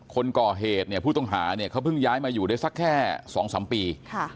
คนก่อเหตุผู้ต้องหาเขาเพิ่งย้ายมาอยู่ได้สักแค่๒๓ปี